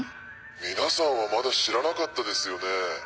皆さんはまだ知らなかったですよね？